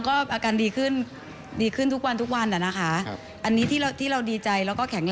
โอเคค่ะคุณแม่โอเค